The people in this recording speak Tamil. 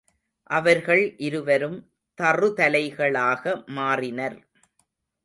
அவர்கள் இருவரும் தறு தலைகளாக மாறினர்.